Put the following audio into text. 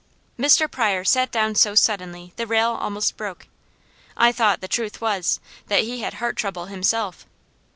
Mr. Pryor sat down so suddenly, the rail almost broke. I thought the truth was, that he had heart trouble, himself.